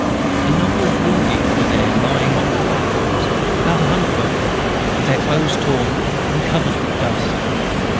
A number of wounded were there lying on the platforms; about a hundred of them, with their clothes torn, and covered with dust.